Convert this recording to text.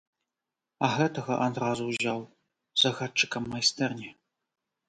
А гэтага адразу ўзяў загадчыкам майстэрні.